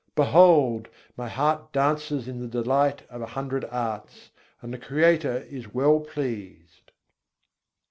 Behold! my heart dances in the delight of a hundred arts; and the Creator is well pleased.